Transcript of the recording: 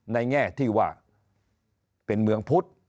แง่ที่ว่าเป็นเมืองพุทธ